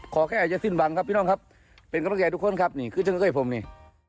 ขอแค่จะสิ้นบังครับพี่น้องครับเป็นกรกแกทุกคนครับนี่คือเจ้าก็คือผมนี่